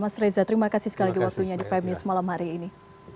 mas reza terima kasih sekali lagi waktunya di pembes semalam hari ini